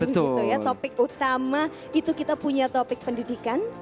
topik utama itu kita punya topik pendidikan